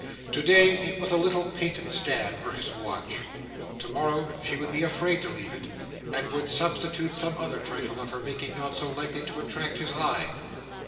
Today, it was a little painted stand for his watch; tomorrow she would be afraid to leave it, and would substitute some other trifle of her making not so likely to attract his eye.